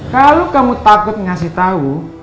kalau kamu takut ngasih tahu